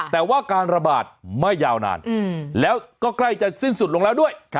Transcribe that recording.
แต่ว่าการระบาดไม่ยาวนานแล้วก็ใกล้จะสิ้นสุดลงแล้วด้วย